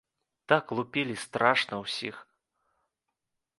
Так лупілі страшна ўсіх!